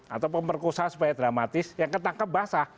atau pemberkosa supaya dramatis yang ketangkep bahasa